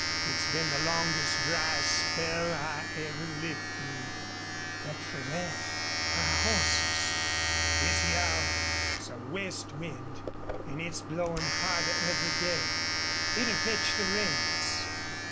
It's been the longest, dryest spell I ever lived through. But fer thet my hosses This hyar's a west wind, an' it's blowin' harder every day. It'll fetch the rains."